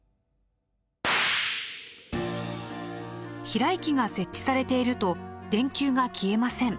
避雷器が設置されていると電球が消えません。